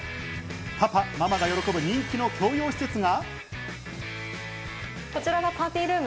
パパ、ママが喜ぶ人気の共用施設が。